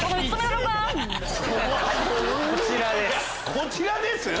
こちらです